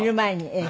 ええ。